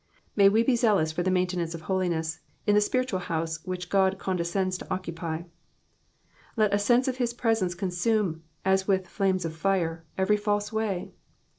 May we be zealous for the maintenance of holiness in the spiritual house which God condescends to occupy ; let a s^nse of his presence consume, as with flames of fire, every false way.